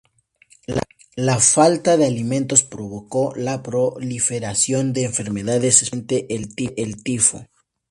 La falta de alimentos provocó la proliferación de enfermedades, especialmente el tifo.